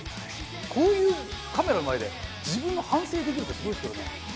こういうカメラの前で自分の反省できるってすごいですけどね。